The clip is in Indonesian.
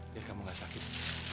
biar kamu gak sakit